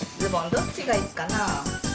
どっちがいいかな？